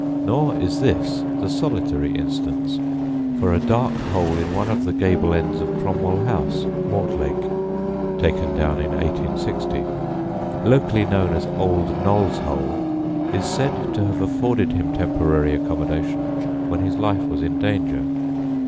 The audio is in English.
Nor is this the solitary instance, for a dark hole in one of the gable ends of Cromwell House, Mortlake (taken down in 1860), locally known as "Old Noll's Hole," is said to have afforded him temporary accommodation when his was life in danger.